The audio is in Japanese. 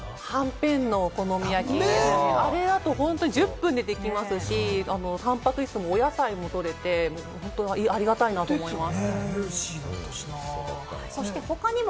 はんぺんのお好み焼き、あれだと１０分でできますし、タンパク質も野菜もとれて本当にありがたいなと思います。